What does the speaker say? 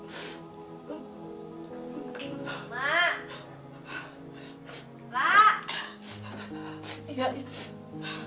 assalamualaikum warahmatullahi wabarakatuh